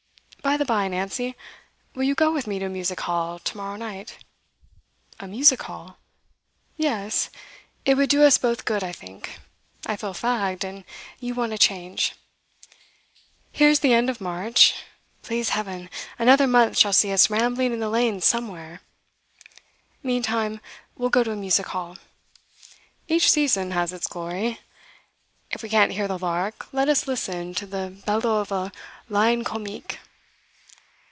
By the bye, Nancy, will you go with me to a music hall to morrow night?' 'A music hall?' 'Yes. It would do us both good, I think. I feel fagged, and you want a change. Here's the end of March; please Heaven, another month shall see us rambling in the lanes somewhere; meantime, we'll go to a music hall. Each season has its glory; if we can't hear the lark, let us listen to the bellow of a lion comique.